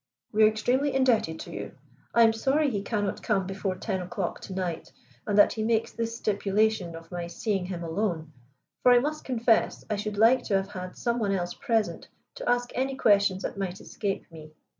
"We are extremely indebted to you. I am sorry he cannot come before ten o'clock to night, and that he makes this stipulation of my seeing him alone, for I must confess I should like to have had some one else present to ask any questions that might escape me.